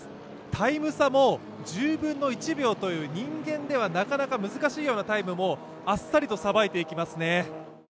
タイム差も１０分の１秒という人間ではなかなか難しいようなタイムもあっさりとさばいていきますね。